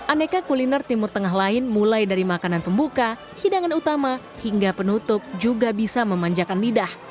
aneka kuliner timur tengah lain mulai dari makanan pembuka hidangan utama hingga penutup juga bisa memanjakan lidah